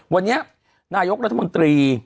วันนี้นายกรัฐมนตรี